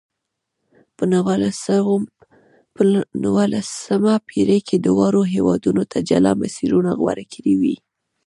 په نولسمه پېړۍ کې دواړو هېوادونو جلا مسیرونه غوره کړې وې.